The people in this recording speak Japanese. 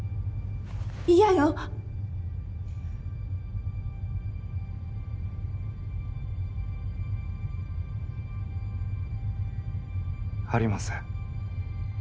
嫌よ！ありません。